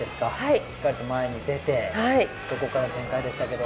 しっかりと前に出て、そこから展開でしたけど。